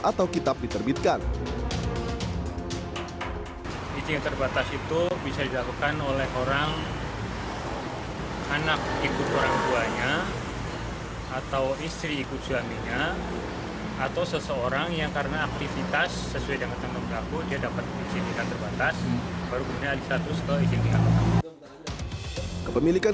atau kini dikirimkan